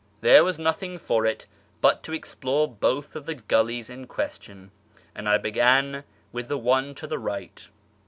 There was nothing for it but to explore both of the gullies in question, and I began with the one to the right.